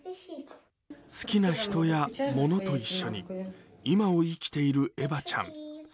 好きな人や物と一緒に今を生きているエバちゃん。